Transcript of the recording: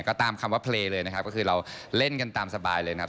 ก็ตามคำว่าเพลย์เลยนะครับก็คือเราเล่นกันตามสบายเลยนะครับ